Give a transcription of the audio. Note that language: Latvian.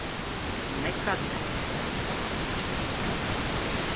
Nekad nelaižu garām tādu izdevību.